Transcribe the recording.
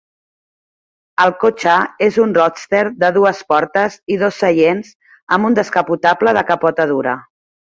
El cotxe és un "roadster" de dues portes i dos seients amb un descapotable de capota dura.